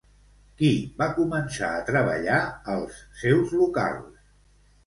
Qui va començar a treballar als seus locals?